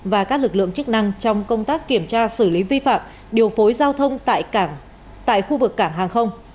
và các lực lượng chức năng trong công tác kiểm tra xử lý vi phạm điều phối giao thông tại khu vực cảng hàng không